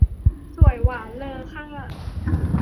สวยหวาน เลอค่า